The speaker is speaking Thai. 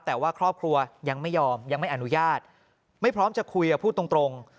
แต่ว่าครอบครัวยังไม่ยอมยังไม่อนุญาตไม่พร้อมจะคุยพูดตรง